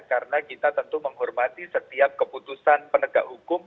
karena kita tentu menghormati setiap keputusan penegak hukum